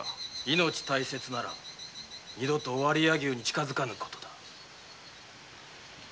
命大切なら二度と尾張柳生に近づかぬ事だ。